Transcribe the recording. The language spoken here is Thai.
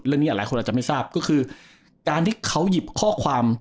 นี้หลายคนอาจจะไม่ทราบก็คือการที่เขาหยิบข้อความ